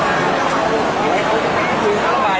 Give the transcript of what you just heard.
นั่งคุยเจ้าจี้กว่า